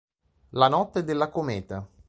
La notte della cometa.